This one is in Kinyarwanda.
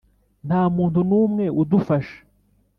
nta muntu n'umwe udufasha.